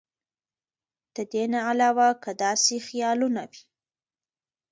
د دې نه علاوه کۀ داسې خيالونه وي